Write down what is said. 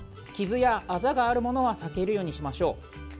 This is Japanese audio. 傷やあざがあるものは避けるようにしましょう。